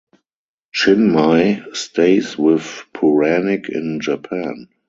Chinmay stays with Puranik in Japan.